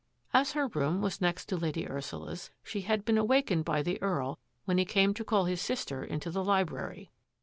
As her room was next to Lady Ursula's, she had been awakened by the Earl when he came to call his sister into the library.